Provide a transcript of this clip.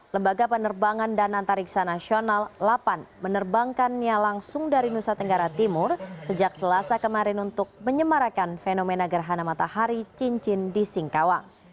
lembaga penerbangan dan antariksa nasional lapan menerbangkannya langsung dari nusa tenggara timur sejak selasa kemarin untuk menyemarakan fenomena gerhana matahari cincin di singkawang